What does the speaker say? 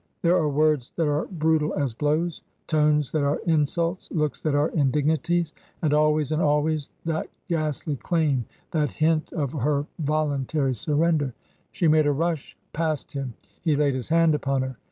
There are words that are brutal as blows, tones that are insults, looks that are indignities. And always, and always that ghastly claim, that hint of her vol 24* 282 TRANSITION. untaiy surrender. She made a rush past him. He laid his hand upon her.